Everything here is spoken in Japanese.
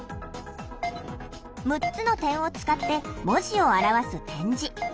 ６つの点を使って文字を表す点字。